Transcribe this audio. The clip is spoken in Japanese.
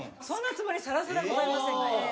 そんなつもりさらさらございませんが。